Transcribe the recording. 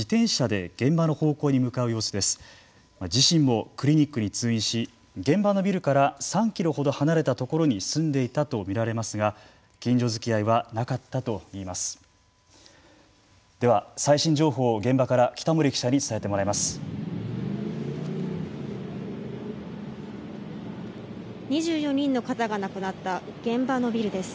では、最新情報を現場から北森記者に伝えてもらいます。